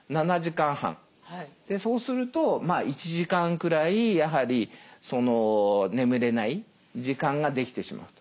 そうすると１時間くらいやはり眠れない時間ができてしまうと。